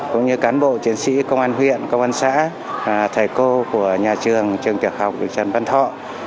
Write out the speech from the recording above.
cũng như cán bộ chiến sĩ công an huyện công an xã thầy cô của nhà trường trường tiểu học trần văn thọ